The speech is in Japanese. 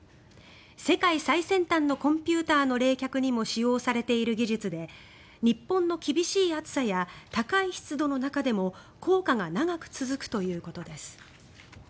世界最先端のコンピューターの冷却にも使用されている技術で日本の厳しい暑さや高い湿度の中でも効果が長く続くということです。